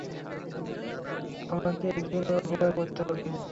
আমাকে একজনের উপকার করতে হবে।